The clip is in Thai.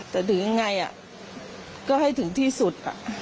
แต่ถึงยังไงก็ให้ถึงที่สุด